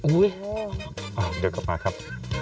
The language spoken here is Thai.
อุ๊ยอ้าวเดี๋ยวกลับมาครับ